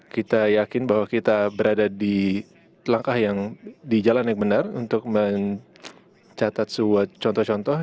kita yakin bahwa kita berada di langkah yang di jalan yang benar untuk mencatat sebuah contoh contoh